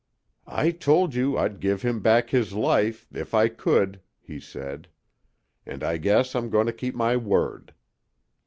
"I told you I'd give him back his life if I could," he said. "And I guess I'm going to keep my word."